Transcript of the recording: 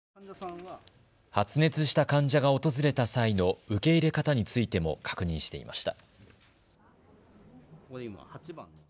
発熱した患者が訪れた際の受け入れ方についても確認していました。